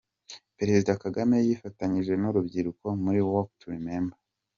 Perezida Kagame yifatanyije n'urubyiruko muri Walk To Remember.